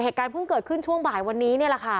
เหตุการณ์เพิ่งเกิดขึ้นช่วงบ่ายวันนี้นี่แหละค่ะ